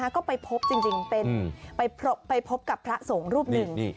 ก็ไปพบจริงไปพบกับพระสงฆ์รูปหนึ่ง